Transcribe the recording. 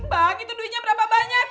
bang itu duitnya berapa banyak